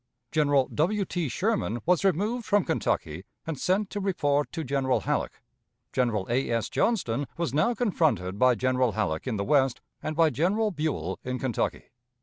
General W. T. Sherman was removed from Kentucky and sent to report to General Halleck. General A. S. Johnston was now confronted by General Halleck in the West and by General Buell in Kentucky.